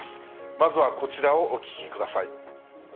まずはこちらをお聞きください。